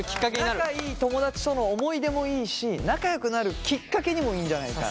仲いい友達との思い出もいいし仲良くなるきっかけにもいいんじゃないか。